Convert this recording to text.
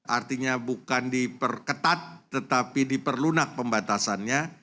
artinya bukan diperketat tetapi diperlunak pembatasannya